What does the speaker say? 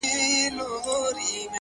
په لېمو کي راته وایي زما پوښتلي جوابونه.